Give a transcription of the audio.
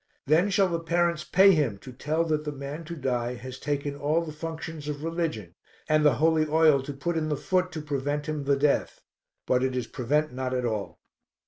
Then shall the parents pay him to tell that the man to die has taken all the functions of religion and the holy oil to put in the foot to prevent him the death. But it is prevent not at all.